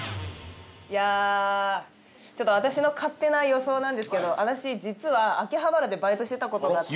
いやあちょっと私の勝手な予想なんですけど私実は秋葉原でバイトしてた事があって。